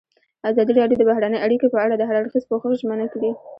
ازادي راډیو د بهرنۍ اړیکې په اړه د هر اړخیز پوښښ ژمنه کړې.